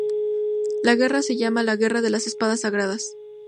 La guerra se llama:"La guerra de las espadas sagradas".